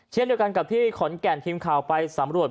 เช่นเดียวกันกับที่ขอนแก่นทีมข่าวไปสำรวจ